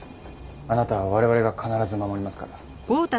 あなたは我々が必ず守りますから。